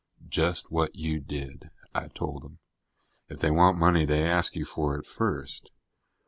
"Just what you did," I told him. "If they want money, they ask you for it first.